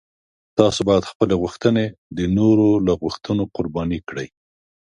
تاسو باید خپلې غوښتنې د نورو له غوښتنو قرباني کړئ.